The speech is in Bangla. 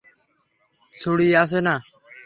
ছুড়ি আছে না?